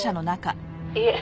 「いえ。